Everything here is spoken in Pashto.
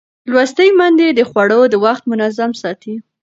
لوستې میندې د خوړو وخت منظم ساتي.